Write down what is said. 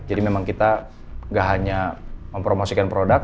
jadi memang kita nggak hanya mempromosikan produk